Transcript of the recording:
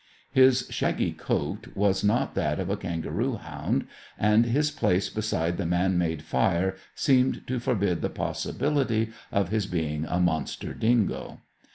His shaggy coat was not that of a kangaroo hound, and his place beside the man made fire seemed to forbid the possibility of his being a monster dingo.